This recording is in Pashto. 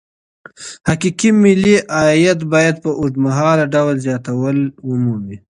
حقيقي ملي عايد بايد په اوږدمهاله ډول زياتوالی ومومي.